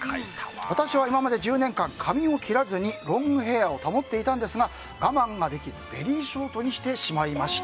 私は今まで１０年間髪を切らずにロングヘアを保っていたのですが我慢ができず、ベリーショートにしてしまいました。